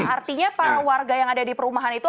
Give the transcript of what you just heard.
artinya para warga yang ada di perumahan itu